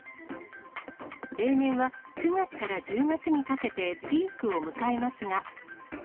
例年は９月から１０月にかけてピークを迎えますが。